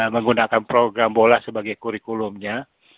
menggunakan program bola sebagai kurikulumnya